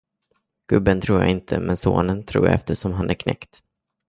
Gubben tror jag inte, men sonen tror jag eftersom han är knekt.